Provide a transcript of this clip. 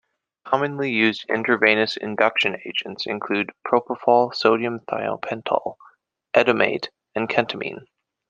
Commonly used intravenous induction agents include propofol, sodium thiopental, etomidate, and ketamine.